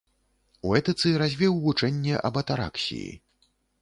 У этыцы развіў вучэнне аб атараксіі.